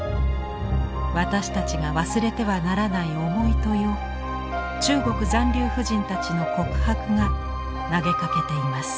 私たちが忘れてはならない重い問いを中国残留婦人たちの告白が投げかけています。